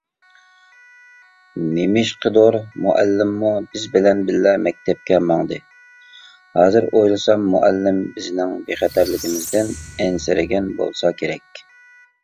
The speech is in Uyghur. نېمىشقىدۇر مۇئەللىممۇ بىز بىلەن بىللە مەكتەپكە ماڭدى، ھازىر ئويلىسام مۇئەللىم بىزنىڭ بىخەتەرلىكىمىزدىن ئەنسىرىگەن بولسا كېرەك.